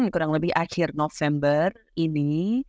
kurang lebih akhir november ini